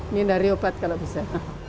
mindari obat kalau bisa